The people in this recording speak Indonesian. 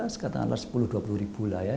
sekarang sepuluh dua puluh ribu lah ya